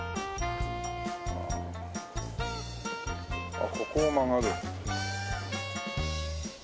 あっここを曲がる。